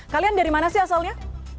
kalian dari mana sih asalnya